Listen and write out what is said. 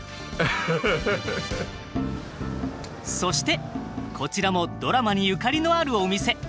そしてこちらもドラマにゆかりのあるお店。